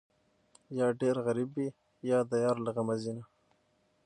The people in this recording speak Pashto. یا ډېر غریب وي، یا د یار له غمه ځینه